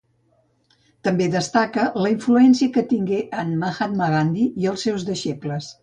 També destaca la influència que tingué en Mahatma Gandhi i els seus deixebles.